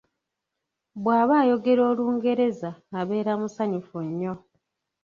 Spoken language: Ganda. Bw’aba ayogera Olungereza abeera musanyufu nnyo.